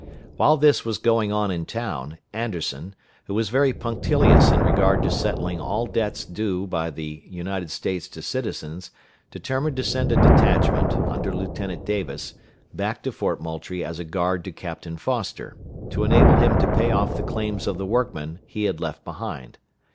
While this was going on in town, Anderson, who was very punctilious in regard to settling all debts due by the United States to citizens, determined to send a detachment, under Lieutenant Davis, back to Fort Moultrie as a guard to Captain Foster, to enable him to pay off the claims of the workmen he had left behind.